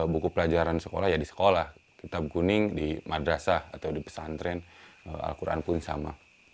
buku pelajaran sekolah ya di sekolah kitab kuning di madrasah atau di pesantren al quran pun sama